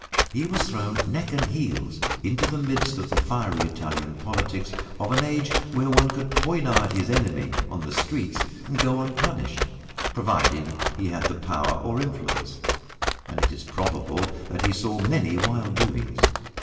He was thrown neck and heels into the midst of the fiery Italian politics of an age when one could poniard his enemy on the streets and go unpunished, providing he had power or influence. And it is probable that he saw many wild doings.